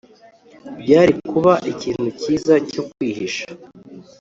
byari kuba ikintu cyiza cyo kwihisha,